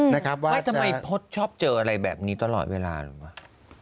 ทำไมพจน์ชอบเจออะไรแบบนี้ตลอดเวลาหรือเปล่า